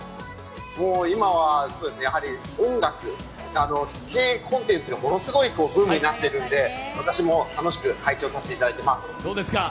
今はやはり音楽、Ｋコンテンツがものすごいブームになっているので、私も楽しく拝聴させていただいています。